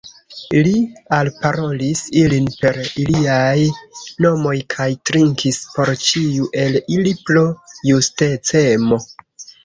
Li alparolis ilin per iliaj nomoj, kaj trinkis por ĉiu el ili, pro justecemo.